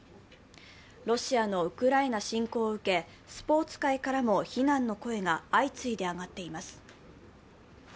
ロシアのウクライナ侵攻を受けスポーツ界からも非難の声が相次いで上がっています。